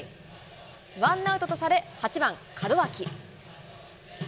ワンアウトとされ、８番門脇。